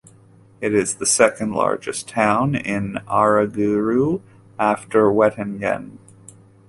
It is the second-largest town in Aargau after Wettingen.